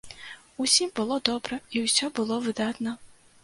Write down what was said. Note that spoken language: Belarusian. Усім было добра, і ўсё было выдатна.